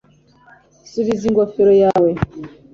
Subiza ingofero yawe